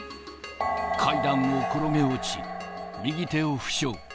階段を転げ落ち、右手を負傷。